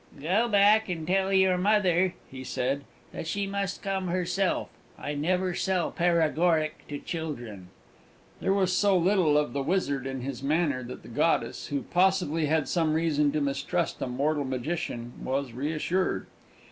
"Go back and tell your mother," he said, "that she must come herself. I never sell paregoric to children." There was so little of the wizard in his manner that the goddess, who possibly had some reason to mistrust a mortal magician, was reassured.